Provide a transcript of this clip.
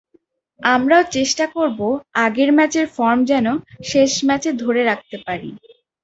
আমরাও চেষ্টা করব আগের ম্যাচের ফর্ম যেন শেষ ম্যাচে ধরে রাখতে পারি।